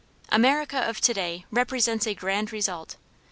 America of to day represents a grand result.